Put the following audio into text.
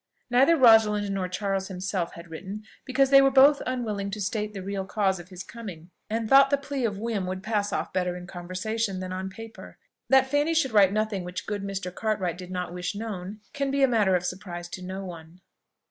Neither Rosalind nor Charles himself had written, because they were both unwilling to state the real cause of his coming, and thought the plea of whim would pass off better in conversation than on paper. That Fanny should write nothing which good Mr. Cartwright did not wish known, can be matter of surprise to no one.